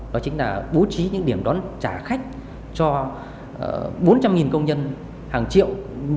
đó chính là bố trí những điểm đón trả khách cho bốn trăm linh công nhân hàng triệu